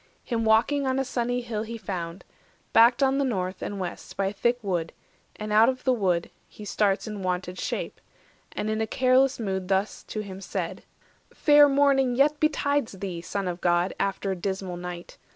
Him walking on a sunny hill he found, Backed on the north and west by a thick wood; Out of the wood he starts in wonted shape, And in a careless mood thus to him said:— 450 "Fair morning yet betides thee, Son of God, After a dismal night.